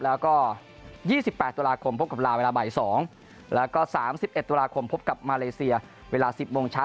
แล้วก็๒๘ตุลาคมพบกับลาวเวลาบ่าย๒แล้วก็๓๑ตุลาคมพบกับมาเลเซียเวลา๑๐โมงเช้า